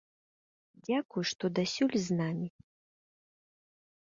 Дзякуй, што дасюль з намі.